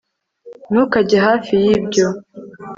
ntukajye hafi yibyo